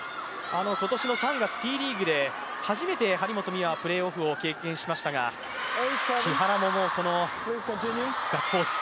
今年の３月、Ｔリーグで初めて張本美和はプレーオフを経験しましたが、木原もこのガッツポーズ。